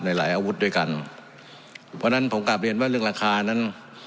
หลายอาวุธด้วยกันเพราะฉะนั้นผมกลับเรียนว่าเรื่องราคานั้น